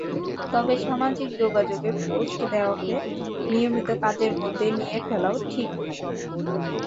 তবে সামাজিক যোগাযোগে পোস্ট দেওয়াকে নিয়মিত কাজের মধ্যে নিয়ে ফেলাও ঠিক নয়।